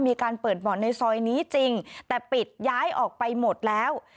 มีการเปิดบ่อนในซอยนี้จริงแต่ปิดย้ายออกไปหมดแล้ว